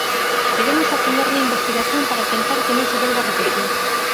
Queremos afondar na investigación para tentar que non se volve repetir.